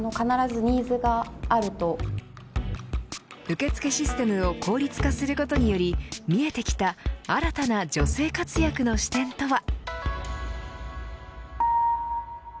受付システムを効率化することにより見えてきた新たな女性活躍の視点とは。